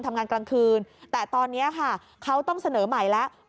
ทำงานกลางคืนแต่ตอนนี้ค่ะเขาต้องเสนอใหม่แล้ว